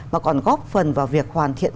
mà còn góp phần vào việc hoàn thiện